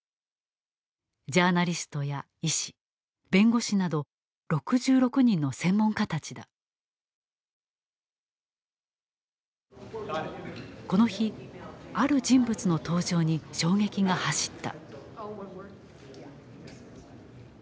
ジャーナリストや医師弁護士などこの日ある人物の登場に衝撃が走った。